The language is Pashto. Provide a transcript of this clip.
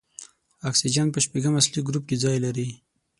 اکسیجن په شپږم اصلي ګروپ کې ځای لري.